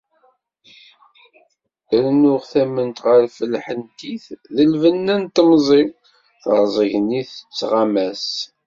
Rennuɣ tament ɣef lḥentit d lbenna n temẓi-w, terẓeg-nni tettɣama-s.